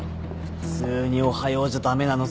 普通に「おはよう」じゃ駄目なの？